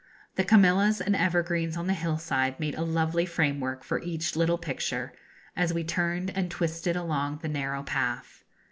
The camellias and evergreens on the hillside made a lovely framework for each little picture, as we turned and twisted along the narrow path.